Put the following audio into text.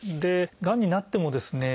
がんになってもですね